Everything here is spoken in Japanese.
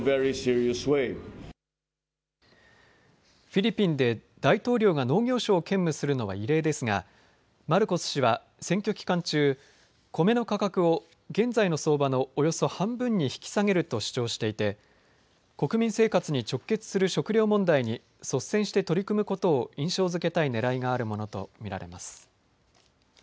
フィリピンで大統領が農業相を兼務するのは異例ですがマルコス氏は選挙期間中、米の価格を現在の相場のおよそ半分に引き下げると主張していて国民生活に直結する食料問題に率先して取り組むことを印象づけたいねらいがあるものと見られます。